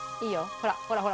ほらほらほら。